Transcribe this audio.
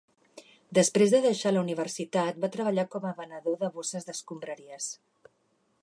Després de deixar la Universitat va treballar com a venedor de bosses d'escombraries.